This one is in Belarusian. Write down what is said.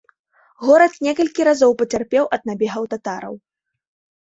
Горад некалькі разоў пацярпеў ад набегаў татараў.